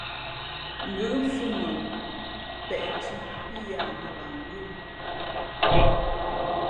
Ngʉ̌ʼ mfhʉ̄ mα peʼnthʉ̄ pí yahnāt lah ngʉ́ wū.